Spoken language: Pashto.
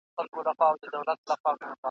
د چيلم کردوړي ګوره ورته ژاړه